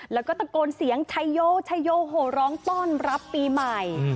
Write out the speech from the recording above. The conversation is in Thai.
แล้วก็ตะโกนเสียงชัยโยชัยโยโหร้องต้อนรับปีใหม่